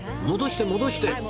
戻して戻して！